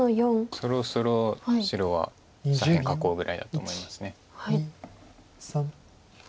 そろそろ白は左辺囲うぐらいだと思います。